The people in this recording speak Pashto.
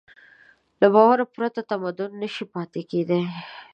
له باور پرته تمدن نهشي پاتې کېدی.